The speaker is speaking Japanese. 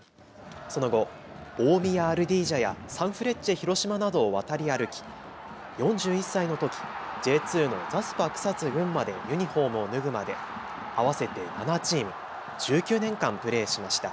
その後、大宮アルディージャやサンフレッチェ広島などを渡り歩き４１歳のときＪ２のザスパクサツ群馬でユニホームを脱ぐまで合わせて７チーム、１９年間プレーしました。